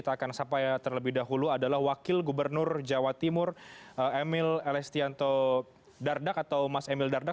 kita akan sapa terlebih dahulu adalah wakil gubernur jawa timur emil elestianto dardak atau mas emil dardak